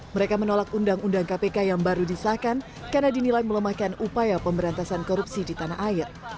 mereka menolak undang undang kpk yang baru disahkan karena dinilai melemahkan upaya pemberantasan korupsi di tanah air